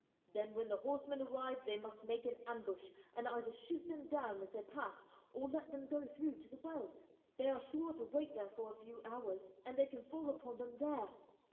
Then when the horsemen arrive they must make an ambush, and either shoot them down as they pass or let them go through to the wells. They are sure to wait there for a few hours, and they can fall upon them there.